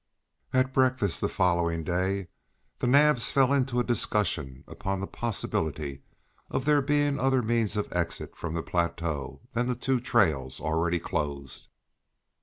At breakfast the following day the Naabs fell into a discussion upon the possibility of there being other means of exit from the plateau than the two trails already closed.